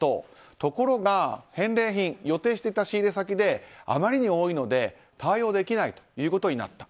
ところが、返礼品予定していた仕入れ先であまりに多いので対応できないということになった。